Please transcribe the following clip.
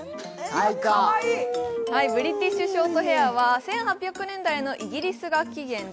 ブリティッシュ・ショートヘアは１８００年代のイギリスが起源で